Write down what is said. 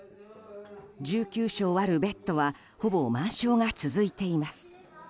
１９床あるベッドはほぼ満床が続いています。